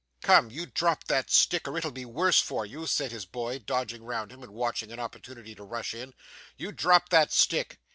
'Come, you drop that stick or it'll be worse for you,' said his boy, dodging round him and watching an opportunity to rush in; 'you drop that stick.